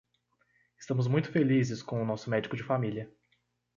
Estamos muito felizes com o nosso médico de família.